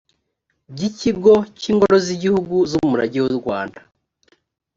by ikigo cy ingoro z igihugu z umurage w urwanda